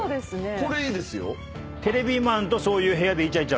これいいですよ。